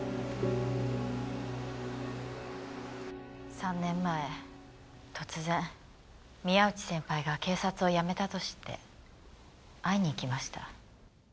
３年前突然宮内先輩が警察を辞めたと知って会いに行きました。